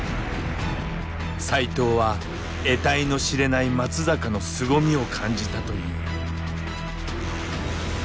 斉藤はえたいの知れない松坂のすごみを感じたという。